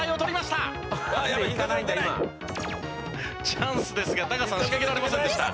チャンスですがタカさん仕掛けられませんでした。